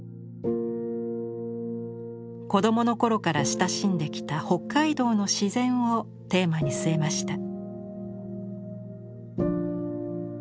子どものころから親しんできた「北海道の自然」をテーマに据えました。